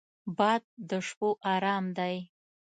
باد د شپو ارام دی